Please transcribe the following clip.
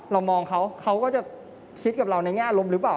เรามองเขาเขาก็จะคิดกับเราในแง่ลมหรือเปล่า